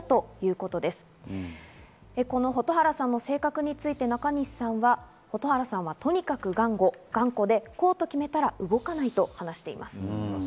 この蛍原さんの性格について中西さんは、蛍原さんはとにかく頑固でこうと決めたら動かないと話しています。